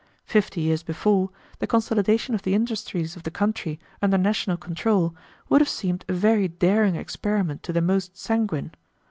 Fifty years before, the consolidation of the industries of the country under national control would have seemed a very daring experiment to the most sanguine.